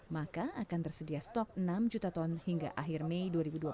maka akan tersedia stok enam juta ton hingga akhir mei dua ribu dua puluh